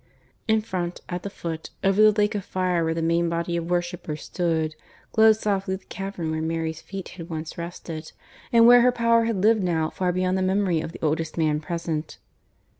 In front, at the foot, over the lake of fire where the main body of worshippers stood, glowed softly the cavern where Mary's feet had once rested, and where her power had lived now far beyond the memory of the oldest man present.